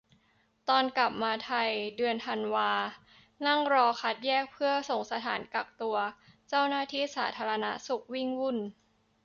ตอนกลับมาไทย เดือนธันวา นั่งรอคัดแยกเพื่อส่งสถานกักตัว เจ้าหน้าที่สาธารณสุขวิ่งวุ่น